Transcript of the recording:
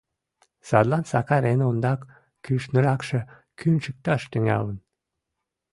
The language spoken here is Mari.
Садлан Сакар эн ондак кӱшныракше кӱнчыкташ тӱҥалын.